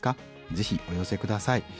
ぜひお寄せ下さい。